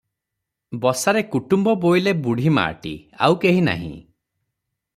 ବସାରେ କୁଟୁମ୍ବ ବୋଇଲେ ବୁଢ଼ୀ ମାଆଟି, ଆଉ କେହି ନାହିଁ ।